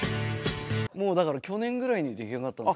もうだから去年ぐらいに出来上がったんですけど。